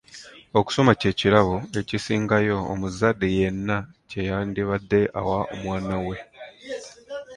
Okusoma kye kirabo ekisingayo omuzadde yenna kye yandibadde awa omwana we.